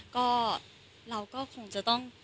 ก็เราก็คงจะต้อง